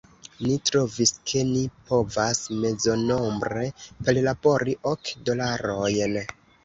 Ni trovis, ke ni povas mezonombre perlabori ok dolarojn.